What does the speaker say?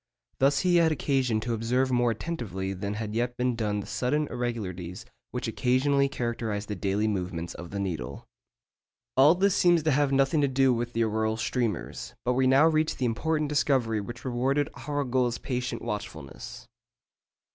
Thus he had occasion to observe more attentively than had yet been done the sudden irregularities which occasionally characterise the daily movements of the needle. All this seems to have nothing to do with the auroral streamers; but we now reach the important discovery which rewarded Arago's patient watchfulness.